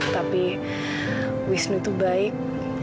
tapi wisnu tuh baik